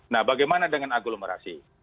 nah bagaimana dengan aglomerasi